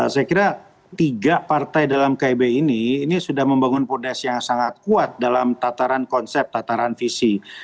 saya kira tiga partai dalam kib ini ini sudah membangun fordas yang sangat kuat dalam tataran konsep tataran visi